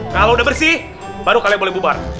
kalau udah bersih baru kalian boleh bubar